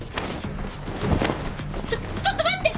ちょちょっと待って！